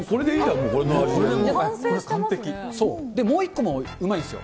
もう１個もうまいんすよ。